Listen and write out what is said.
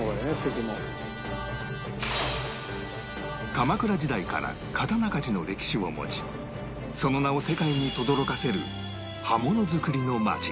鎌倉時代から刀鍛冶の歴史を持ちその名を世界にとどろかせる刃物作りの町